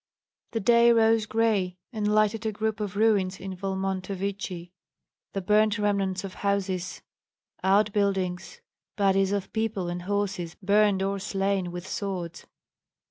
The day rose gray, and lighted a group of ruins in Volmontovichi, the burned remnants of houses, out buildings, bodies of people and horses burned or slain with swords.